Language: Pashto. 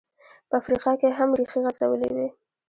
په افریقا کې یې هم ریښې غځولې وې.